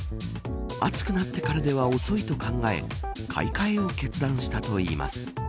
暑くなってからでは遅いと考え買い替えを決断したといいます。